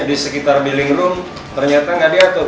di sekitar billing room ternyata nggak diatur